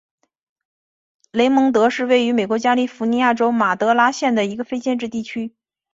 雷蒙德是位于美国加利福尼亚州马德拉县的一个非建制地区。